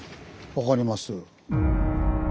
分かります。